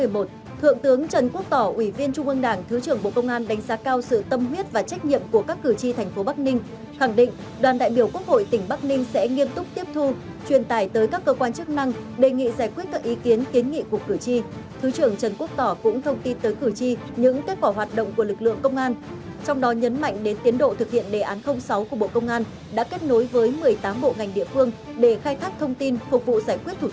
bộ công an việt nam đã kết nối với một mươi tám bộ ngành địa phương để khai thác thông tin phục vụ giải quyết thủ tục hành chính cho người dân được nhanh chóng thuận lợi